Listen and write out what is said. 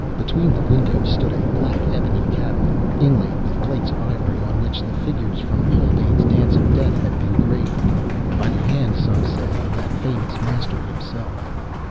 Between the windows stood a black ebony cabinet, inlaid with plates of ivory, on which the figures from Holbein's Dance of Death had been graved—by the hand, some said, of that famous master himself.